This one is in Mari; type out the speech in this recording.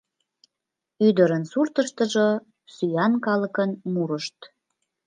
Ӱдырын суртыштыжо сӱан калыкын мурышт.